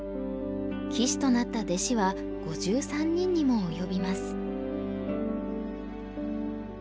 棋士となった弟子は５３人にも及びます。